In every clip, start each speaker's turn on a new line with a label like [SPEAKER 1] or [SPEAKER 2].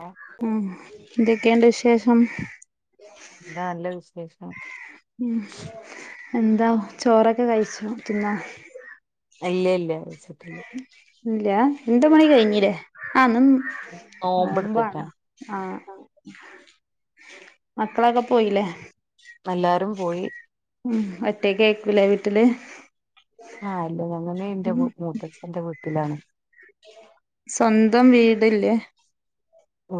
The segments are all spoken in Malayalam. [SPEAKER 1] ആഹ്
[SPEAKER 2] ഉ ഇതൊക്കെയണ്ട വിഷ ശേഷം
[SPEAKER 1] എന്താ നല്ല വിശേഷം ആ
[SPEAKER 2] ഉം എന്താ ചോറൊക്കെ കഴിച്ചു തിന്നാ
[SPEAKER 1] ഇല്ല ഇല്ല
[SPEAKER 2] ഇല്ലാ രണ്ട് മണി കഴിഞ്ഞില്ലേ [unintelligible] നോമ്പാണോ
[SPEAKER 1] നോമ്പെടുത്ത്ക്കാണ്
[SPEAKER 2] ആഹ് മക്കളൊക്കെ പോയില്ലേ?
[SPEAKER 1] എല്ലരും പോയി
[SPEAKER 2] ല്ല വീട്ടില്
[SPEAKER 1] ആഹ് ഞങ്ങനെ എന്റെ മൂത്തച്ഛന്റെ വീട്ടിലാണ്
[SPEAKER 2] സ്വന്തം വീടില്ലേ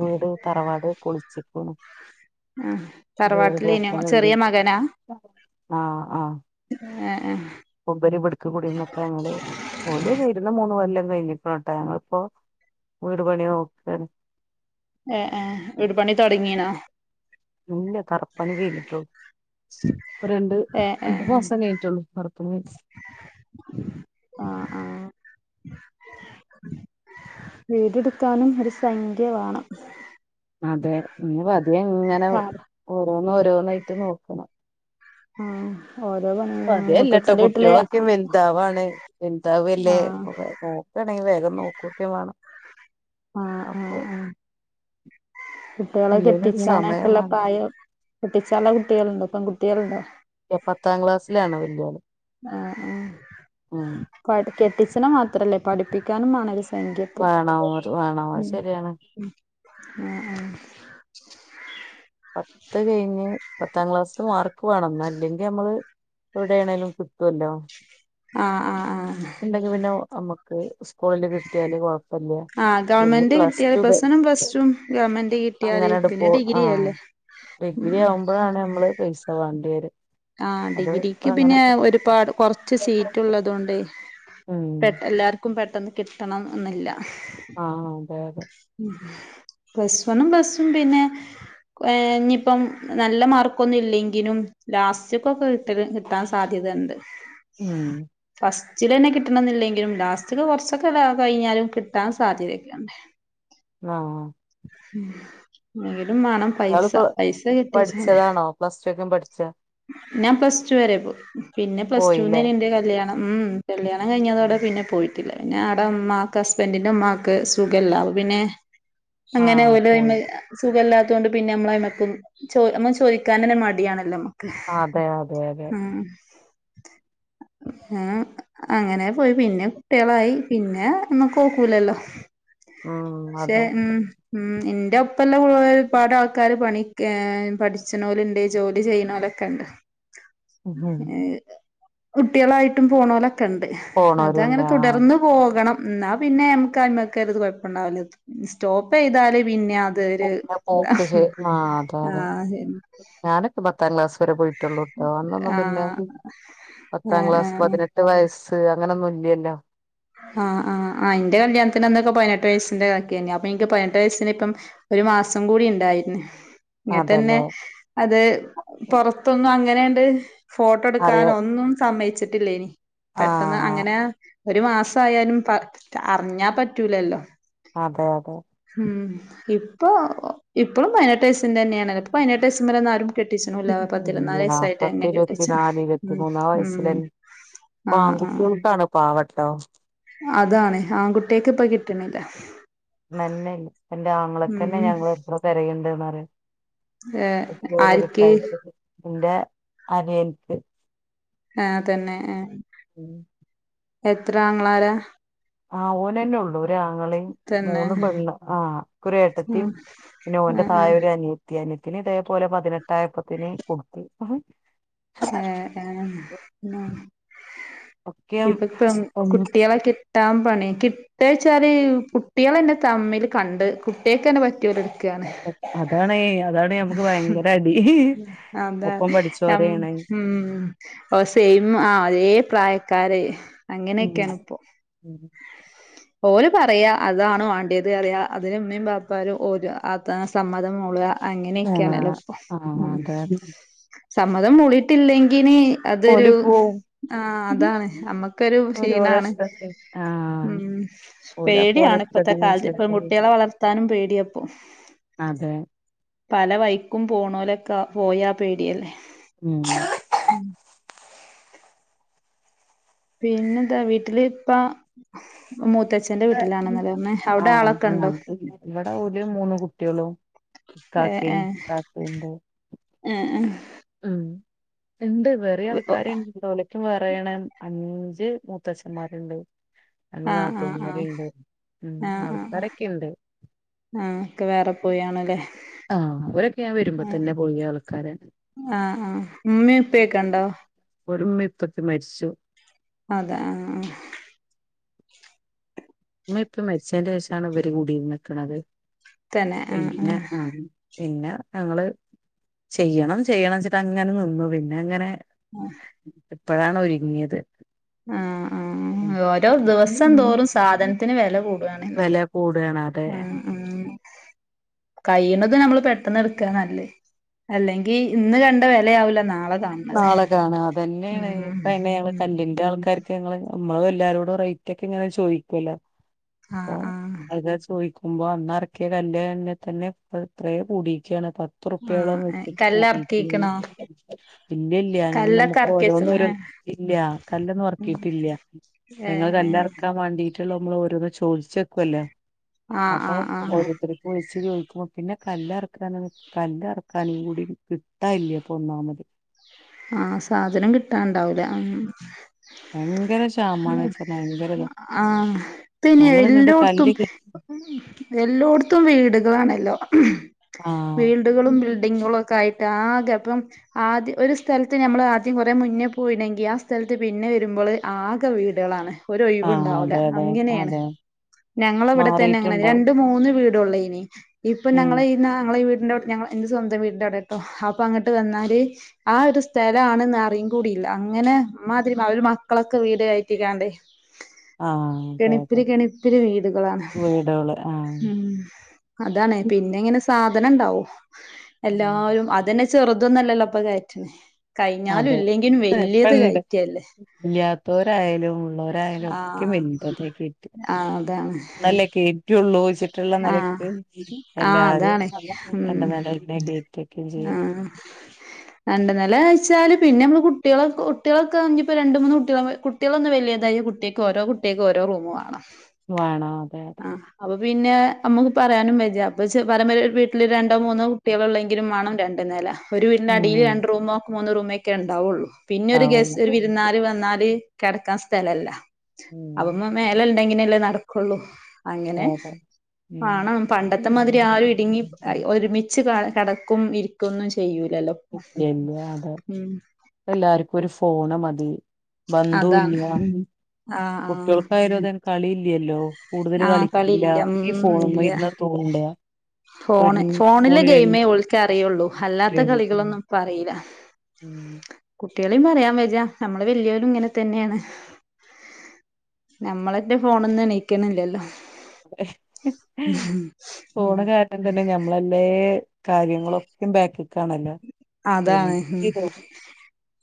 [SPEAKER 1] വീട് തറവാട് പൊളി പെളിച്ച്ക്ക്ണ്
[SPEAKER 2] ആ തറവാട്ടിലേനോ ചെറിയ മകനാ
[SPEAKER 1] [unintelligible] ആ ആഹ
[SPEAKER 2] ഏ ഏ
[SPEAKER 1] ഇവരിവിടുക്ക് കുടിടന്നൊക്കെ ഞങ്ങള് വരുന്ന മൂന്ന് കെല്ലം [unintelligible] ഞങ്ങിപ്പോവീട് പണി നോക്കണ്
[SPEAKER 2] ഏ ഏ വീട് പണി തുടങ്ങിനോ?
[SPEAKER 1] ഇല്ല തറപ്പണി കഴിഞ്ഞിട്ടോ ഇപ്പ രണ്ട്
[SPEAKER 2] ഏ ഏ ഏ
[SPEAKER 1] അണ്ട്മാസം കയ്ഞ്ഞിട്ടെള്ളൂ തറപ്പണി
[SPEAKER 2] ആ ആ വീടെടുക്കാനും ഒരു സൈഖ്യ വേണം
[SPEAKER 1] അതെ നീ പതി ഇങ്ങനെ
[SPEAKER 2] ആ
[SPEAKER 1] ഓരോ ഓരോന്നായിട്ട് നോക്കണം
[SPEAKER 2] ആഹ്
[SPEAKER 1] പതിയെല്ലട്ടോ കുട്ടികളൊക്കെ വെൽതാവാണ് വെൽതാവ്
[SPEAKER 2] ആ
[SPEAKER 1] അല്ലേ നോക്കയാണെങ്കിൽ വേഗം നോക്കൂക്കെ വാണം
[SPEAKER 2] ആഹ് ആഹ് ആഹ് കുട്ടികളെ
[SPEAKER 1] വല്യോനൊരു സമയം
[SPEAKER 2] കെട്ടിച്ചാനൊക്കെെയള്ള
[SPEAKER 1] വേണം
[SPEAKER 2] പ്രായം കുട്ടി ചെല കുട്ടികളുണ്ട് പെൺകുട്ടികളുണ്ടോ
[SPEAKER 1] പത്താം ക്ലാസ്സിലണോ വല്യായാള്
[SPEAKER 2] ആഹ ആ കുട്ട [unintelligible] പ്രഹസനം മാത്രമല്ലേ പഠിപ്പിക്കാനും വേണം - എങ്കപ്പ
[SPEAKER 1] വേണം വേണം അത്
[SPEAKER 2] ഉ
[SPEAKER 1] ശരിയാണ്
[SPEAKER 2] ആ ഉ
[SPEAKER 1] പത്ത് കഴിഞ്ഞ് പത്താം ക്ലാസ് മാർക്ക് വേണംന്നാ അല്ലെങ്കിൽ നമ്മള് എവിടെയാണേങ്കലും കിട്ടുവല്ലോ
[SPEAKER 2] ആഹ് ആഹ് ആഹ് ആഹ്
[SPEAKER 1] ഇണ്ടെങ്കി പിന്നെ അമ്മക്ക് സ്കൂളിൽ കിട്ടിയാലല്
[SPEAKER 2] ആഹ് ഗവൺമെന്റ് കിട്ടിയല് ബസനും ഫസ്റ്റും ഗവണ്മെന്റ് കിട്ടിയാല്
[SPEAKER 1] അങ്ങനെട് പോ
[SPEAKER 2] പിന്നെ
[SPEAKER 1] ആ
[SPEAKER 2] ഡിഗ്രില്ലേ
[SPEAKER 1] വാണ്ടര്
[SPEAKER 2] ആ ഡിഗ്രിക്ക് പിന്നെ ഒരുപാട് കൊറച്ച് സീറ്റ് ഉള്ളത്കൊണ്ട്
[SPEAKER 1] ഉം
[SPEAKER 2] പെ എല്ലാർക്കും പെട്ടെന്ന് കിട്ടണം എന്നില്ല.
[SPEAKER 1] ആഹ അതെ അതെ
[SPEAKER 2] പ്ലസ് വണ്ും പ്ലസും പിന്നെ ഇനിയിപ്പം നല്ല മാർക്കൊന്നും ഇല്ലെങ്കിലും ലാസ്റ്റക്കൊക്കെ കിട്ട കിട്ടാൻ സാധ്യത ഉണ്ട്.
[SPEAKER 1] ഉം
[SPEAKER 2] ചില തന്നെ കിട്ടണമ എന്നില്ലെങ്കിലും ലാസ്റ്റ് കുറച്ചൊക്കെ കഴിഞ്ഞാലും കിട്ടാൻ സാധ്യതയൊക്കെയുണ്ട്.
[SPEAKER 1] ആഹ
[SPEAKER 2] ഉം അെ
[SPEAKER 1] ഞൾ പഠിച്ചതാണോ പ്ലസ് ടു ഒക്കെ പഠിച്ച ച്ച
[SPEAKER 2] ഞാൻ പ്ലസ് ടു വരെ പോയി പിന്നെ പ്ലസ്
[SPEAKER 1] പോയില്ലേ
[SPEAKER 2] ടുന്നെയിന്റെ കല്യാണം. ഉം കല്യാണം കഴിഞ്ഞതോടെ പിന്നെ പോയി. പിന്നെ ആവിട മാക്ക് ഹസ്ബന്റന്റെ മാക്ക് സുഖമല്ല അ പിന്നെ അങ്ങനെ
[SPEAKER 1] ആഹ്
[SPEAKER 2] ഓലോ
[SPEAKER 1] പോയി
[SPEAKER 2] സുഖമല്ലാത്ത ണ്ട് പിന്നെ നമ്മളമ്മമ്മ ചോദിക്കാന മടിയണല്ലമ്മ
[SPEAKER 1] അതെ അതെ അതെ
[SPEAKER 2] അങ്ങനെ പോയി പിന്നെ കുട്ടികളായി പിന്നെ ഇതുമക് നോക്കൂലല്ലോ
[SPEAKER 1] ഉം
[SPEAKER 2] പക്ഷെ
[SPEAKER 1] അതെ
[SPEAKER 2] ഉം ഉം എന്റെ ഉപ്പ ഇ എല്ലാം ഒരുപാട് ആൾക്കാർ പണി പഠിച്ചണ പോലുണ്ട് ജോലി ചെയ്യനോലൊക്കെ കണ്ട്
[SPEAKER 1] ഉം
[SPEAKER 2] ഏഹ് കുട്ടികളായിട്ടും പോണോ ലെ ക്കണ്ട്
[SPEAKER 1] പോണോരുണ്ട്
[SPEAKER 2] അതങ്ങനെ
[SPEAKER 1] ആഹ്
[SPEAKER 2] തുടർന്ന് പോകണം. ഇന്നാ പിന്നെ മ്മ ക്കാ മക്കത് കുഴപ്പംണ്ടാവില്ല സ്റ്റോപ്പ് യ്താല് പിന്നെ അതൊരു ഇതാ
[SPEAKER 1] [unintelligible]
[SPEAKER 2] ആഹ് ശരി
[SPEAKER 1] ഞാനൊക്കെ പത്താം ക്ലാസ്സ്‌ പോയിട്ടുള്ളൂ ട്ടോ അന്നൊന്നും പിന്നെ
[SPEAKER 2] ആഹ്
[SPEAKER 1] പത്താം
[SPEAKER 2] ആഹ്
[SPEAKER 1] ക്ലാസ്
[SPEAKER 2] ആഹ്
[SPEAKER 1] പതിനെട്ട് വയസ് അങ്ങനൊന്നും ഇല്ലല്ലോ
[SPEAKER 2] ആഹ് ആ ആ അന്റെ കല്യാണത്തിന്ന്നൊക്കെ പതിനെട്ട് വയസ്സിന്റെ കക്കന്നെ അപ്പൊ എനിക്ക് പതിനെട്ട് വയസിന് ഇപ്പം ഒരു മാസം കൂടി ഉണ്ടായിരുന്നു ഇങ്ങിട്ട് തന്നെ
[SPEAKER 1] അതല്ലേ
[SPEAKER 2] അത് പുറത്തൊന്നും അങ്ങനെയണ്ട് ഫോട്ടോ
[SPEAKER 1] അറിയ
[SPEAKER 2] എടുക്കാൻ ഒന്നും സമ്മയിച്ചിട്ടില്ല. ട്ടി ലേനി പെട്ടെന്ന്
[SPEAKER 1] ആഹ്
[SPEAKER 2] അങ്ങനെ ഒരു മാസ് സായാലും പ അറിഞ്ഞാ പറ്റൂലല്ലോ
[SPEAKER 1] അതെ അതെ
[SPEAKER 2] ഉം ഇപ്പൊ ഇപ്പം പയിനെട്ടെയ്സ്സിന്റെന്നെണല് പ്പ പയിനെട്ടെയ്സ് മ്മലൊന്നും ആരും കെട്ടിച്ച്ണൂല്ല പത്തിരുപത്തിനാല്
[SPEAKER 1] [unintelligible]
[SPEAKER 2] വയസ്സായിട്ട് എന്നെ
[SPEAKER 1] പത്തിരുവത്തി
[SPEAKER 2] കെട്ടിച്ച്ണ്
[SPEAKER 1] നാല്
[SPEAKER 2] ഉം
[SPEAKER 1] ഇരുപത്തിമൂന്നാം
[SPEAKER 2] ഉം
[SPEAKER 1] വയസ്സിലെ
[SPEAKER 2] ആഹ് ആഹ്
[SPEAKER 1] പാൺകുട്ടിള്താണ് പാവട് ട്ടൊ
[SPEAKER 2] അതാണ് ആൻകുട്ടേക് ഇപ്പ കിട്ട്ണില്ല
[SPEAKER 1] മെന്നല് എന്റെ ആങ്ങളൊക്കെന്നെ
[SPEAKER 2] ഉം
[SPEAKER 1] ഞങ്ങൾ എത്ര തെരയ്ണ്ട് ന്നറിയോ
[SPEAKER 2] ഏഹ് ആർക്ക്
[SPEAKER 1] [unintelligible] ഇന്റെ അതിയെൻക്
[SPEAKER 2] ആ തന്നെ ആ എത്ര ആങ്ങളാരഹ്
[SPEAKER 1] ആ ഓനന്നെ ഉള്ളൂ ഒ രാങ്ങളേം
[SPEAKER 2] തന്നെ
[SPEAKER 1] മൂന്നു പെണ്ണ് ആ ക്കൊരു
[SPEAKER 2] ഉം
[SPEAKER 1] ഏട്ടത്തിം പിന്നെ ഓന്റെ
[SPEAKER 2] ആഹ്
[SPEAKER 1] തായ
[SPEAKER 2] ആഹ്
[SPEAKER 1] ഒരു അനിയത്തി അനി ത്തിന് ഇതേപോലെ പതിനെട്ടായപ്പത്തിന് കൊടുക്കും
[SPEAKER 2] ഏ ഏന്ന
[SPEAKER 1] ഒക്കെ
[SPEAKER 2] ഇപ്പൊപ്പം
[SPEAKER 1] ഒന്ന്
[SPEAKER 2] കുട്ടിളെ കിട്ടാം പണി കിട്ടെച്ചാല് കുട്ടിളെന്നെ തമ്മിൽ കണ്ട് കുട്ടിയെകെന്നെ പറ്റ്യൊല്ട്
[SPEAKER 1] അഹ് അതാണ് അതാണ് മ്മുക്ക് ഭയങ്കര അടി
[SPEAKER 2] അതാ
[SPEAKER 1] ഒപ്പം
[SPEAKER 2] നം
[SPEAKER 1] പഠിച്ചോരെയാണ്
[SPEAKER 2] ഉം ഒ സെയിം ആ് അതേ പ്രായ കാരെ ഹ് അങ്ങനെയൊക്കെയാണ്
[SPEAKER 1] ഉം
[SPEAKER 2] പ്പൊ ഓര് പറയാ അതാണ് വാണ്ടിയത് അറിയ അതിന് ഉമ്മീം പാപ്പാരു ഓര അതാ സമ്മതം മൂള
[SPEAKER 1] ആണോ
[SPEAKER 2] അങ്ങനെയൊക്കെയണല്ലോ പ്പം
[SPEAKER 1] ആ
[SPEAKER 2] ഉം
[SPEAKER 1] അതെ
[SPEAKER 2] സമ്മതം മൂളി ഇല്ലെങ്കിന് അതൊരു
[SPEAKER 1] ഓല് പോവും
[SPEAKER 2] ആ അതാണ് നമ്മുക്കൊരു
[SPEAKER 1] ഓല് ഓലെ
[SPEAKER 2] ക്ഷീണാണ്
[SPEAKER 1] ഇഷ്ടത്തിന് ആഹ്
[SPEAKER 2] ഉം
[SPEAKER 1] ഓലപ്പോ ഓലെ
[SPEAKER 2] പേടിയാണ് ഇപ്പത്തെ
[SPEAKER 1] ഇഷ്ടത്തിന്
[SPEAKER 2] കാലത്ത് ഇപ്പം
[SPEAKER 1] ചെയ്യും
[SPEAKER 2] കുട്ടിളെ വളർത്താനും പേടിയപ്പോ
[SPEAKER 1] അതെ
[SPEAKER 2] പല വൈക്കും പോണോല് ക പോയാ പേടിയല്ലേ
[SPEAKER 1] ഉം
[SPEAKER 2] ഉം പിന്നെന്താ വീട്ടില് ഇപ്പ മു
[SPEAKER 1] [unintelligible] ആ
[SPEAKER 2] ഉണ്ടോ
[SPEAKER 1] ഇവിടെ ഒരു മൂന്ന് കുട്ടിളും കാക്കേം താതേം ണ്ട്
[SPEAKER 2] എ ഹെ
[SPEAKER 1] ഉം ഇണ്ട് വേറെ
[SPEAKER 2] ഏഹ്
[SPEAKER 1] ആൾക്കാര്ണ്ട് ഒലയ്ക്കും വേറെയാണ് അഞ്ജ് ര് മൂത്തച്ഛന്മാരുണ്ട് രണ്ട്
[SPEAKER 2] ആഹ് ആഹ് ആഹ്
[SPEAKER 1] നാത്തൂന്മാരുണ്ട് ഉം
[SPEAKER 2] ആ ആ്
[SPEAKER 1] ആൾക്കാരൊക്കെ ഇണ്ട്
[SPEAKER 2] ആഹ് ക്കെ വേറെ പോയാണല്ലേ
[SPEAKER 1] ആഹ് ഒരൊക്കെ ഞാൻ വരുമ്പോ
[SPEAKER 2] ആഹ്
[SPEAKER 1] തന്നെ പഴയ ആൾക്കാര
[SPEAKER 2] ആഹ് ആഹ് ഉമ്മേം ഉപ്പേക്കെണ്ടോ
[SPEAKER 1] ഇപ്പറത് മരിച്ചു
[SPEAKER 2] അതെ ആഹ്
[SPEAKER 1] ഇമ്മ ഇപ്പ മെച്ചേന്റെ വശാണ് ഇവര കൂടിയി നിക്കണുന്നത്
[SPEAKER 2] തന്നെ ആ ആ
[SPEAKER 1] പിന്നെ ഞങ്ങള് ചെയ്യണം ചെയ്യണം വെച്ചിട്ട് അങ്ങനെ നിന്നു പിന്നെ അങ്ങനെ
[SPEAKER 2] ആഹ്
[SPEAKER 1] ഇപ്പോഴാണ് ഒരുങ്ങിയത്
[SPEAKER 2] ആഹ് ആഹ് ഓരോ ദിവസം തോറും സാധനത്തിന് വില കൂടും
[SPEAKER 1] വില കൂടുകാണ്
[SPEAKER 2] ഉം ഉം കഴണത് നമ്മൾ പെട്ടന്ന് എടുക്കാ നല്ലേ അല്ലെങ്കിൽ ഇന്ന് കണ്ട വിലയാവില്ല നാളെ കാൺണത്
[SPEAKER 1] നാളെ കാണ അതന്നെണ്
[SPEAKER 2] ഉം ഉം
[SPEAKER 1] കല്ലിന്റെ ആൾക്കാർ നമ്മള് എല്ലാരോടും റേറ്റ് ഒക്കെ ഇങ്ങനെ ചോദിക്കുവല്ലോ അപ്പ
[SPEAKER 2] ആഹ് ആഹ്
[SPEAKER 1] അൾക്കാർ ചോദിക്കും ആകുമ്പ അന്നറക്കിയ കല്ല് തന്നെ തന്നെ എത്രയേ കൂടിക്കാണ് പ ത്ത്റുപ്പയോളം
[SPEAKER 2] ആഹ്
[SPEAKER 1] വെച്ചിട്ട് കൂടിക്കാണ്
[SPEAKER 2] കല്ലെർക്കീക്ക്ണോ
[SPEAKER 1] ഇല്ലല്ല ഞ
[SPEAKER 2] കല്ലൊക്കെ
[SPEAKER 1] നമുക്ക് ഓരോന്നും
[SPEAKER 2] എർക്കിച്ച്ണ് ഏഹ്
[SPEAKER 1] ഇല്ല കല്ലൊന്നും ഇറക്കിയിട്ടില്ല ഞങ്ങൾ
[SPEAKER 2] ഏഹ്
[SPEAKER 1] കല്ലറക്കാൻ വേണ്ടി നമ്മ ഓരോ ചോദിച്ചേക്കല്ല
[SPEAKER 2] ആഹ്
[SPEAKER 1] അപ്പൊ
[SPEAKER 2] ആഹ് ആഹ്
[SPEAKER 1] ഓരോർത്തർ പോയി ച്ച് ചോദിക്കുമ്പം പിന്നെ കല്ല് എർക്കാന കല്ലെർക്കാനും കൂടി കിട്ടാല്ലേ പ്പൊ ഒന്നാമത്.
[SPEAKER 2] ആഹ് സാധനം കിട്ടാണ്ടാവുല. ഉം
[SPEAKER 1] ഭയങ്കര ക്ഷാമാണ് വെച്ചാ ഭയങ്കര ഇതാ.
[SPEAKER 2] ആ പിന്നെ
[SPEAKER 1] ഞങ്ങള് ഇങ്ങട്ട്
[SPEAKER 2] എല്ലോട്ത്തും
[SPEAKER 1] കല്ല് കി
[SPEAKER 2] എല്ലോട്ത്തും വീട് വാണല്ലോ.
[SPEAKER 1] ആഹ്
[SPEAKER 2] വീൽഡുകളും ബിൽഡിങ്ങുകളും ഒക്കെ ആയി ആകെ അപ്പം ആദ്യ ഒര് സ് സ്ഥൽത്ത് നമ്മള് ആദ്യം കൊറേ മുന്നേ പോയിണെങ്കി ആ സ്ഥൽത്ത് പിന്നെ വര്മ്പോള് ആകെ വീടളാണ്. ഒരഴിവ്
[SPEAKER 1] ആഹ്
[SPEAKER 2] ഇണ്ടാവൂല
[SPEAKER 1] അതെ അതെ
[SPEAKER 2] അങ്ങനെയാണ്.
[SPEAKER 1] അതെ
[SPEAKER 2] ഞങ്ങളവിടെ തന്നെ അങ്ങനെ
[SPEAKER 1] മാറിയിട്ടുണ്ടാവും
[SPEAKER 2] രണ്ട്, മൂന്ന് വീട് ട്ടുള്ള ഇനി ഇപ്പൊ
[SPEAKER 1] ഉം
[SPEAKER 2] ഞങ്ങളെ ഈ ന്നാ ഞങ്ങളെ ഈ വീ ന്റെ വീട്ട് ഞങ്ങളെ ഇന്റെ സ്വന്തം വീടിന്റെ അവിടെട്ടോ അപ്പൊ അങ്ങട്ട് വന്നാല് ആ ഒരു സ്ഥലാണെന്ന് അറിയം കൂടില്ല, അങ്ങനെ മാതിരി അവര് മക്കളൊക്കെ വീട് കയറ്റിക്കാണ്ട്
[SPEAKER 1] ആഹ് അതെ അതെ
[SPEAKER 2] കെണിപ്പിരി കെണിപ്പിരി വീടുകളാണ്,
[SPEAKER 1] വീടുകള് ആഹ്
[SPEAKER 2] മ് അതാണ് പിന്നെ ഇങ്ങനെ സ് സാധനം ഇണ്ടാവോ? എല്ലാവരും അതന്നെ ചെറുതോന്നല്ലല്ലോ അപ്പ [unintelligible] [unintelligible] വല്യത്
[SPEAKER 1] ഇപ്പണ്ട്
[SPEAKER 2] കയറ്റല്ലേ
[SPEAKER 1] ഇല്ലാത്തവരായാലും ഉള്ളവരായാലും ഒക്കെ
[SPEAKER 2] ആഹ്
[SPEAKER 1] വല്താ [unintelligible]
[SPEAKER 2] ആഹ് അതാണ്
[SPEAKER 1] ന്നല്ലേ കേറ്റുള്ളൂ വെച് മറ്റുള്ള
[SPEAKER 2] ആഹ്
[SPEAKER 1] നെലക്ക്
[SPEAKER 2] ആഹ്
[SPEAKER 1] എല്ലാരും
[SPEAKER 2] അതാണ് ഉം
[SPEAKER 1] അന്റെ [unintelligible] ചെയ്യാം.
[SPEAKER 2] ആഹ് രണ്ട് നെല വെച്ചാല് പിന്നെ നമ്മൾ കുട്ടികൾക്ക്‌ കുട്ടികളൊക്കെണെങ്കിൽ ഇപ്പോൾ രണ്ട് മൂന്ന് കുട്ടികളാമ്പോ കുട്ടികളൊന്ന് വല്ല്യതായ കുട്ടികക്ക് ഓരോ കുട്ടികക്ക് ഓരോ റൂമ് വേണം.
[SPEAKER 1] വേണം അതെ അതെ
[SPEAKER 2] ആഹ് അപ്പൊ പിന്നെ നമുക്ക് പറയാനും [unintelligible] അപ്പ ച്ച് പരമ്പര വീട് വീട്ടില് രണ്ടോ മൂന്നോ കുട്ടികളൊള്ളെങ്കിലും വേണം രണ്ട് നെല. ഒരു വീടിന്റെ
[SPEAKER 1] ഉം
[SPEAKER 2] അടിയിൽ രണ്ട് റൂമോ മൂന്ന് റൂമൊക്കെ ഉണ്ടാവുള്ളൂ. പിന്നെ ഒരു ഗസ് ഒരു
[SPEAKER 1] ഉണ്ടാവുള്ളു
[SPEAKER 2] വിരുന്നാല് വന്നാല് കെടക്കാൻ സ്ഥലല്ല.
[SPEAKER 1] ഉം
[SPEAKER 2] അവമ്മ മേലെല് എങ്ങനെയല്ലേ നടക്കുള്ളൂ. അങ്ങനെ
[SPEAKER 1] അതെ അതെ ഉം
[SPEAKER 2] ആണം പണ്ടത്തെമാതിരി ആരും ഇടുങ്ങി അ ഒരുമിച്ച് [unintelligible] കടക്കും ഇരിക്കൊന്നും ചെയ്യൂല്ല.
[SPEAKER 1] ഇല്ല ഇല്ല അതെ എല്ലാർക്കും ഒരു ഫോണ് മതി.
[SPEAKER 2] അതാണ്
[SPEAKER 1] ബന്ധോല്ല
[SPEAKER 2] ആഹ് ആഹ്
[SPEAKER 1] കുട്ടികൾക്കായി [unintelligible] കളി ഇ യെല്ലോ.
[SPEAKER 2] ആഹ് കളില്ല മ് ഇല്ല
[SPEAKER 1] ഇരുന്ന് തോണ്ട
[SPEAKER 2] ഫോണ് ഫോണിലെ
[SPEAKER 1] ഫോണിലന്നെ
[SPEAKER 2] ഗെയിമേ ഒൾക്ക് അറിയുള്ളൂ, അല്ലാത്ത കളികളൊന്നും ഇപ്പ അറിയില്ല.
[SPEAKER 1] ഉം
[SPEAKER 2] കുട്ടികളെയും പറയാൻ വജ നമ്മള് വല്ലിയവരും ഇങ്ങനെ തന്നെയാണ്, നമ്മളന്റെ ഫോണ്ന്ന് എണീ ണിക്കല്ലെല്ലോ.
[SPEAKER 1] പോണ കാരണം തന്നെ ഞമ്മളല്ലേ. കാര്യങ്ങളൊക്കെ ബാക്കി
[SPEAKER 2] അതാണ് മ്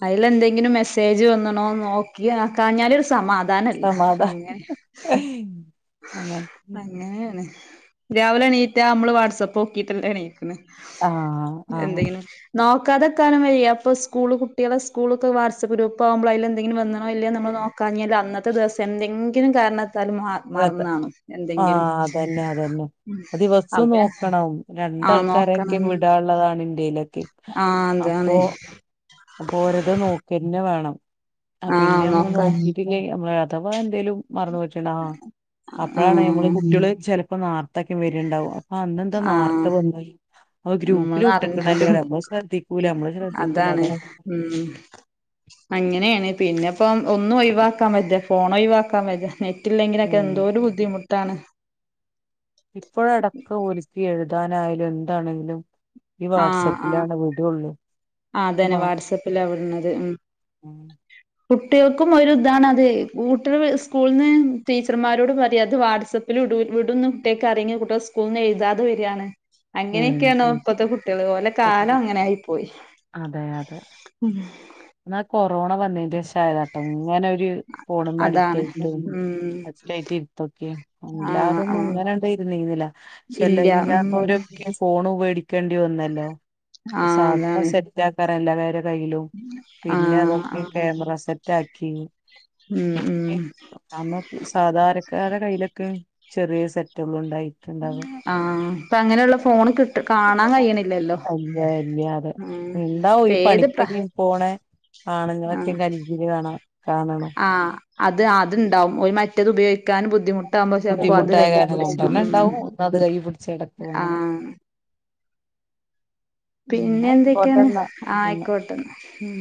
[SPEAKER 2] അതിൽ എന്തെങ്കിലും മെസ്സേജ് വന്നണോന്ന് നോക്കി നോക്കഞ്ഞാലൊരു സമാധ് പ്രധാനല്ല
[SPEAKER 1] സമാധാനം
[SPEAKER 2] അങ്ങനെ
[SPEAKER 1] അങ്ങനത്തെ
[SPEAKER 2] അങ്ങനെയാണ്. രാവിലെ എണീറ്റാ അമ്മള് വാട്സപ്പോക്കീട്ടല്ലേ എണീക്
[SPEAKER 1] ആഹ് ആഹ്
[SPEAKER 2] എന്തെങ്കനും നോക്കാതക്കാനും വയ അപ്പോ സ്കൂള് കുട്ടികളെ സ്കൂളൊക്കെ വാട്സപ്പ് ഗ്രൂപ്പാകുമ്പോ അയ്ല് എന്തെങ്കിനും വന്ന്ണോ ഇല്ലേ എന്ന് നമ്മള് നോക്കാഞ്ഞാൽ അന്നത്തെ ദിവസം എന്തെങ്കിലും കാരണ
[SPEAKER 1] ആഹ് അതന്നെ അതന്നെ അത്
[SPEAKER 2] അപ്പൊ
[SPEAKER 1] ദിവസം
[SPEAKER 2] പിന്നെ
[SPEAKER 1] നോക്കണം
[SPEAKER 2] ആ നോക്കണം
[SPEAKER 1] രണ്ടാൾക്കാരെങ്കിലും വിടാണ് ള്ളതാണിന്റെ
[SPEAKER 2] ആ
[SPEAKER 1] അപ്പോ
[SPEAKER 2] അതാണ്
[SPEAKER 1] അപ്പോരത് നോക്കന്നെ വേണം
[SPEAKER 2] ആഹ്
[SPEAKER 1] അപിന്നെ അമ്മള്
[SPEAKER 2] നോക്കാം
[SPEAKER 1] നോകിട്ടില്ലേ അമ്മ അഥവാ എന്തേലും മറന്ന് വെച്ച്ണാ അപ്പഴാണ് നമ്മള്
[SPEAKER 2] ആഹ്
[SPEAKER 1] കുട്ടികള് ചെലപ് പ്പം നാർതൊക്കെ വര്ണ്ടാവും ആ ഇന്നെന്താ നാർത്ത വന്നോയി
[SPEAKER 2] നമ്മൾ [unintelligible]
[SPEAKER 1] നമ്മള് ശ്രദ്ധിക്കൂല
[SPEAKER 2] അതാണ്
[SPEAKER 1] അതാ
[SPEAKER 2] ഉം അങ്ങനെയാണ് പിന്നെ പിന്നെപ്പം ഒന്നും ഒഴിവാക്കാൻ വജ ഫോൺ ഒഴിവാക്കാൻ വജ നറ്റ് ഇല്ലെങ്കിനൊക്കെ
[SPEAKER 1] ഉം
[SPEAKER 2] എന്തോര് ബുദ്ധിമുട്ട് ട്ടാണ്
[SPEAKER 1] ഇപ്പഴ് എടക്ക് ഒലിപ്പി എഴുതാനായാലും എന്താണെങ്കിലും ഈ വാട്സപ്പിലാണ് വീടൊള്ളൂ
[SPEAKER 2] ആ അതന്നെ വാട്സപ്പിലാ വിട്ണത് ഉം
[SPEAKER 1] ഉം
[SPEAKER 2] കുട്ട്യാൾക്കും ഒരു ഇതാണ് അത് കുട്ട്യാള് സ്കൂള്ന്ന് ടീച്ചർമാരോട് പറയാ ഇത് വാട്സപ്പില് വിടു വിടുന്ന് കുട്ട്യാക്ക് അറിയെങ്കി കൂട്ട്യാള് സ്കൂള്ന്ന് എഴ്താതെ വരാണ്.
[SPEAKER 1] ഉം
[SPEAKER 2] അങ്ങനെയൊക്കെയാണോ
[SPEAKER 1] ഉം
[SPEAKER 2] ഇപ്പത്തെ കുട്ട്യാള്. ഓലെ കാലം അങ്ങനെയി പോയി
[SPEAKER 1] അതെ അതെ ന്നാ കൊറോണ വന്നേന്റെഷായാതാട്ടോ ഇങ്ങനെ ര് ഫോണ്‌മ്മ
[SPEAKER 2] അതാണ്
[SPEAKER 1] അഡിക്ട്റ്റായിറ്റും
[SPEAKER 2] ഉം
[SPEAKER 1] അഡിക്റ്റായിറ്റ് ഇര്ത്തൊക്കെ
[SPEAKER 2] ആഹ്
[SPEAKER 1] അല്ലാതൊന്നും
[SPEAKER 2] ആഹ്
[SPEAKER 1] ഇങ്ങന്യാണ്ട് ഇര്ന്നിന്നില്ല. ചെല
[SPEAKER 2] ഇല്ല ഉം
[SPEAKER 1] ഇല്ലാത്തൊര് ക്ക്യാ ഫോണ്‌ വേടി ക്കേണ്ടി വന്നല്ലോ
[SPEAKER 2] ആഹ്
[SPEAKER 1] സാദാ
[SPEAKER 2] അതാണ്
[SPEAKER 1] സെറ്റാക [unintelligible] കയ്യിലും പിന്നെ
[SPEAKER 2] ആഹ്
[SPEAKER 1] ഇതൊക്കെ
[SPEAKER 2] ആഹ്
[SPEAKER 1] ക്യാമറ സെറ്റാ ക്കി
[SPEAKER 2] ഉം ഉം
[SPEAKER 1] [unintelligible] നമ്മ സാധാരക്കാരെ കയ്യിലൊക്കെ ചെറിയ സെറ്റോള്ളുണ്ടായി
[SPEAKER 2] ആ ഇപ്പങ്ങ
[SPEAKER 1] [unintelligible] അതെ
[SPEAKER 2] ഉം
[SPEAKER 1] ഇണ്ടാവും
[SPEAKER 2] ഇപ്പ
[SPEAKER 1] ഈ
[SPEAKER 2] ഏത് പ്ര
[SPEAKER 1] പണിക്കൊക്കെ പോണെ ആണുങ്ങളൊക്കെ കരിച്ചിൽ കാണാ കാണണം
[SPEAKER 2] ആ അത് അത്ണ്ടാവും ഓൽ മറ്റത് ഉപയോയിക്കാൻ ബുദ്ധിമു
[SPEAKER 1] ബുദ്ധിമുട്ടായ കാരണം രണ്ടെണ്ണം ഇണ്ടാവും ഒന്ന് അത് കയ്യ് പുട്ച്ച് നടക്കും അങ്ങനെ
[SPEAKER 2] ആഹ്
[SPEAKER 1] ഉം
[SPEAKER 2] പിന്നെ
[SPEAKER 1] ന്നാ
[SPEAKER 2] എന്തെക്കെയാണ്
[SPEAKER 1] ആയിക്കോട്ടെന്നാ
[SPEAKER 2] ആ
[SPEAKER 1] ഉം
[SPEAKER 2] ആയിക്കോട്ടെന്നാ ഉം